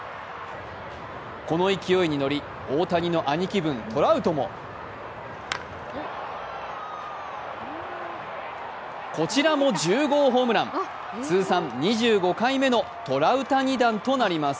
この勢いに乗り、大谷の兄貴分トラウトもこちらも１０号ホームラン、通称２５回目のトラウタニ弾となります。